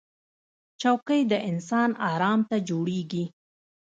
چوکۍ د انسان ارام ته جوړېږي